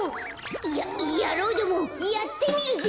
ややろうどもやってみるぜ！